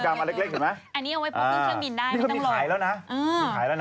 ๕๐กรัมมาเล็กนี่มีไหลแล้วนะ